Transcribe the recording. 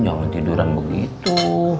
jangan tiduran begitu